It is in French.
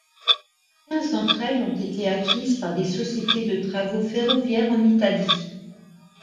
Quinze d'entre elles ont été acquises par des sociétés de travaux ferroviaires en Italie.